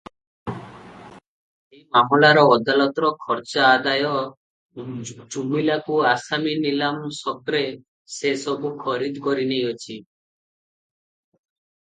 ସେହି ମାମଲାର ଅଦାଲତର ଖର୍ଚ୍ଚା ଆଦାୟ ଜୁମିଲାକୁ ଆସାମୀ ନିଲାମ ସକ୍ରେ ସେ ସବୁ ଖରିଦ କରିନେଇଅଛି ।